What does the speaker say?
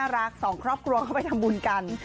และครอบครัวเข้าไปทำบุญกัน